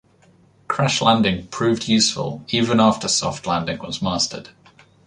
Crash landing proved useful even after soft landing was mastered.